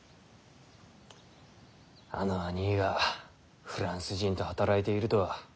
あのあにぃがフランス人と働いているとは。